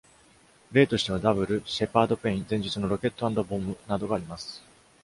例としては、「Double」、「Shaded Pain」、前述の「Rocket and a Bomb」などがあります。